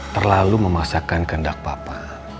terlalu memasakkan kendak papa